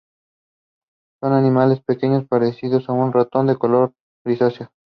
Son animales pequeños, parecidos a un ratón, de color grisáceo.